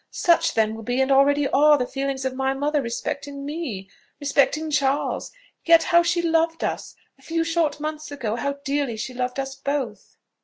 Such then will be, and already are, the feelings of my mother respecting me, respecting Charles. Yet, how she loved us! A few short months ago, how dearly she loved us both!"